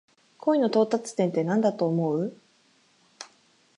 恋の到達点ってなんだと思う？